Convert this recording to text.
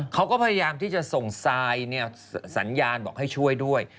เขาก็พยายามที่จะส่งทรายสัญญาณบอกให้ช่วยด้วย